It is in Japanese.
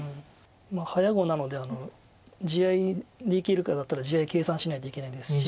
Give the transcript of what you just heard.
早碁なので地合いでいけるかだったら地合い計算しないといけないですし。